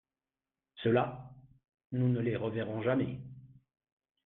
Ceux-là, nous ne les reverrons jamais.